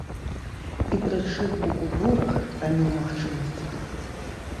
І, прычым, у купюрах, а не ў магчымасцях.